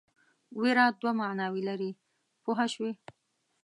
وېره دوه معناوې لري پوه شوې!.